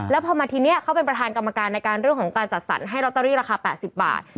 แล้วพอมาทีนี้เขาเป็นประธานกรรมการในการเรื่องของการจัดสรรให้ลอตเตอรี่ราคา๘๐บาท